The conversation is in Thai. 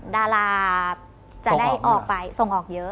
ดาราจะได้ออกไปส่งออกเยอะ